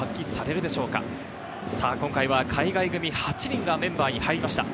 今回は海外組８人がメンバーに入りました。